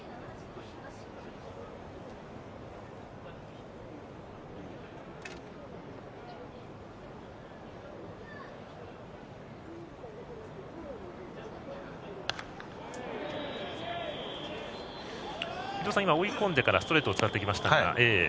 伊東さん、追い込んでからストレートを使ってきましたが。